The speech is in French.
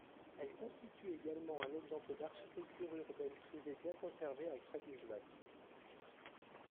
Elle constitue également un exemple d'architecture urbaine privée bien conservée à Kragujevac.